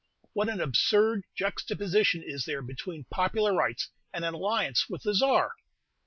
What an absurd juxtaposition is there between popular rights and an alliance with the Czar!